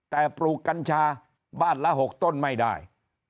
แต่ปลูกกัญชาบ้านละ๖ต้นไม่ได้